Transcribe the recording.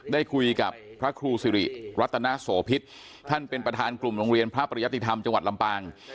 ได้คุยกับพระครูสิริรัตนโสพิษท่านเป็นประธานกลุ่มโรงเรียนพระปริยติธรรมจังหวัดลำปาง